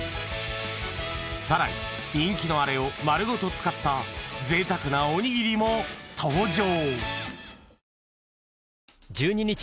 ［さらに人気のあれを丸ごと使ったぜいたくなおにぎりも登場］